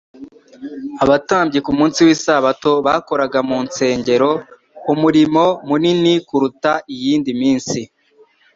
Abatambyi ku munsi w'lsabato bakoraga mu ntsengero umurimo munini kuruta iyindi minsi.